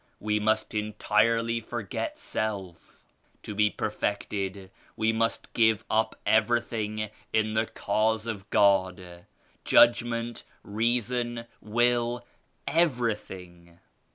We must entirely forget self. To be per fected we must give up everything in the Cause of God ; judgment, reason, will, everything.